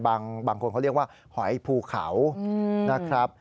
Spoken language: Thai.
บางคนเขาเรียกว่าหอยภูเขานะครับ